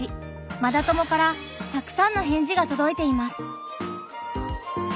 「マダ友」からたくさんの返事がとどいています。